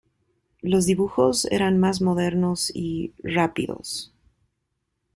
Los dibujos eran más modernos y "rápidos".